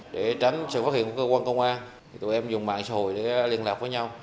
để tránh sự phát hiện của cơ quan công an thì tụi em dùng mạng xã hội để liên lạc với nhau